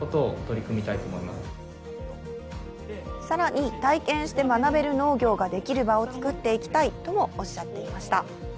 更に体験して学べる農業ができる場を作っていきたいとしていました。